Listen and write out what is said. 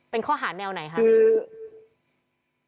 เป็นข้อหาแนวไหนครับ